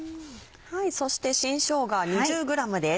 そして新しょうが２０ｇです。